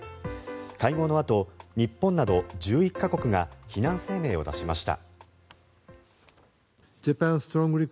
会合のあと、日本など１１か国が非難声明を出しました。